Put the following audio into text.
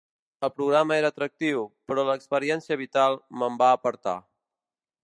El programa era atractiu, però l'experiència vital me'n va apartar.